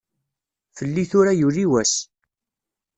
Fell-i tura yuli wass.